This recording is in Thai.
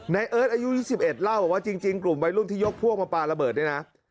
เอิร์ทอายุ๒๑เล่าบอกว่าจริงกลุ่มวัยรุ่นที่ยกพวกมาปลาระเบิดเนี่ยนะ